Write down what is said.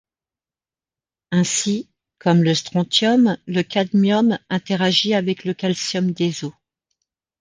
Ainsi, comme le strontium, le cadmium interagit avec le calcium des os.